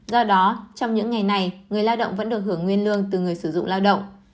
do đó trong những ngày này người lao động vẫn được hưởng nguyên lương từ người sử dụng lao động